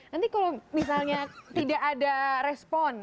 nanti kalau misalnya tidak ada respon